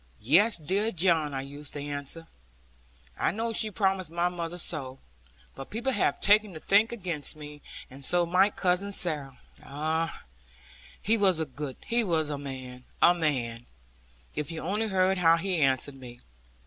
'Yes, dear John,' I used to answer, 'I know she promised my mother so; but people have taken to think against me, and so might Cousin Sarah.' Ah, he was a man, a man! If you only heard how he answered me.